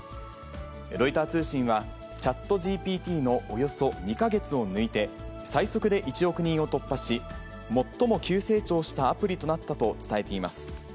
ロイター通信は、チャットＧＰＴのおよそ２か月を抜いて、最速で１億人を突破し、もっとも急成長したアプリとなったと伝えています。